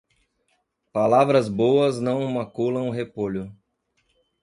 Palavras boas não maculam o repolho.